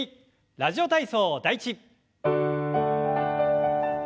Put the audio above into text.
「ラジオ体操第１」。